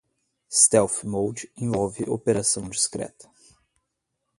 Stealth Mode envolve operação discreta.